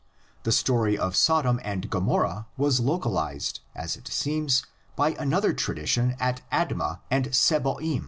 The story of Sodom and Gomorrah was localised, as it seems, by another tradition at Adma and Sebo'im (cp.